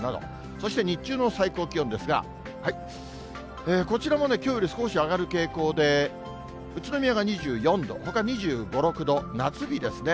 そして日中の最高気温ですが、こちらもね、きょうより少し上がる傾向で、宇都宮が２４度、ほか２５、６度、夏日ですね。